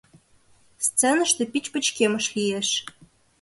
Сценыште пич пычкемыш лиеш.